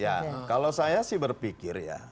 ya kalau saya sih berpikir ya